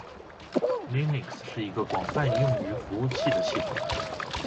Linux 是一个广泛用于服务器的系统